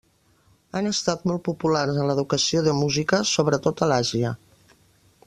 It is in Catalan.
Han estat molt populars en l'educació de música, sobretot a l'Àsia.